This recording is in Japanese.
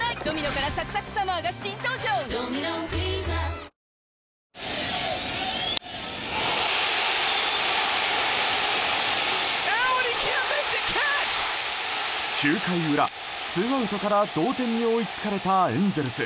脂肪に選べる「コッコアポ」９回裏、ツーアウトから同点に追いつかれたエンゼルス。